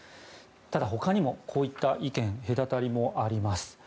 ただ、他にもこういった意見隔たりもあります。